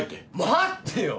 待ってよ！